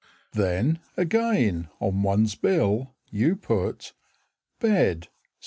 Then, again, on one's bill You put Bed, 7s.